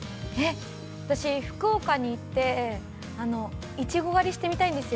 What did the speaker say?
◆私、福岡に行って、イチゴ狩りしてみたいんですよ。